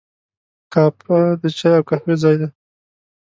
کافه د چای او قهوې ځای دی.